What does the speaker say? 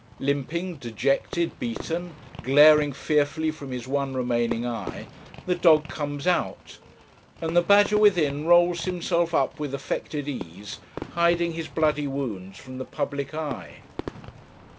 Limping, dejected, beaten, glaring fearfully from his one remaining eye, the dog comes out; and the badger within rolls himself up with affected ease, hiding his bloody wounds from the public eye.